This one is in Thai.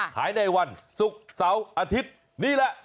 ถ่ายในวันสุกเสาอาทิตย์นี่แหละ